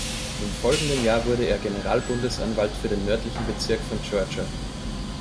Im folgenden Jahr wurde er Generalbundesanwalt für den nördlichen Bezirk von Georgia.